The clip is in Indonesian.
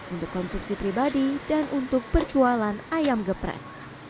untuk konsumsi pribadi dan untuk perjualan ayam geprek